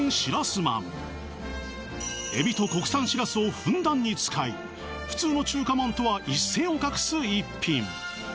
まんエビと国産しらすをふんだんに使い普通の中華まんとは一線を画す逸品